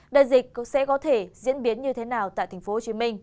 đại dịch cũng sẽ có thể diễn biến như thế nào tại tp hcm